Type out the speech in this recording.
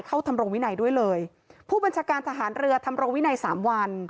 ทำรงวินัยด้วยเลยผู้บัญชาการทหารเรือทำรงวินัยสามวัน